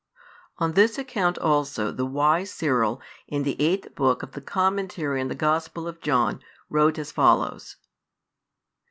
ON THIS ACCOUNT ALSO THE WISE CYRIL, IN THE EIGHTH BOOK OF THE COMMENTARY ON THE GOSPEL OF JOHN, WROTE AS FOLLOWS.